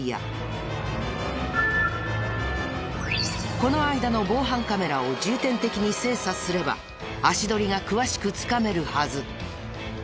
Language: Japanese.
この間の防犯カメラを重点的に精査すれば足取りが詳しくつかめるはず。